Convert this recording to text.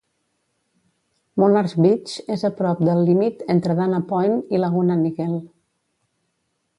Monarch Beach és a prop del límit entre Dana Point i Laguna Niguel.